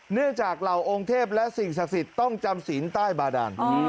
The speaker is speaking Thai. เนื่องจากเหล่าองค์เทพและสิ่งศักดิ์สิทธิ์ต้องจำศีลใต้บาดาน